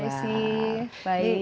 halo mbak nisi baik